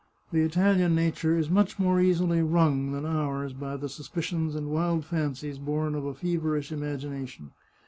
The Italian nature is much more easily wrung than ours by the suspicions and wild fancies born of a fever ish imagination.